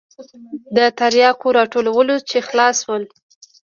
د ترياکو راټولول چې خلاص سول.